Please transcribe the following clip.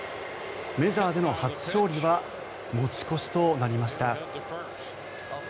メジャーでの初勝利は持ち越しとなりました。